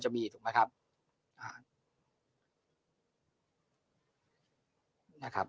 จะมีนะครับ